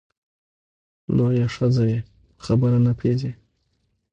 لویه ښځه یې په خبره نه پوهېږې !